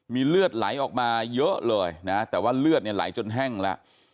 มีเลือดไหลออกมาเยอะเลยนะแต่ว่าเลือดเนี่ยไหลจนแห้งแล้ว